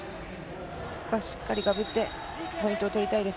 しっかりかぶってポイントを取りたいです。